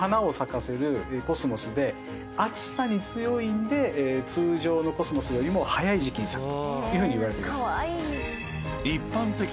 暑さに強いんで通常のコスモスよりも早い時期に咲くといわれています。